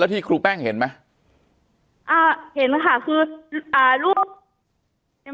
แต่คุณยายจะขอย้ายโรงเรียน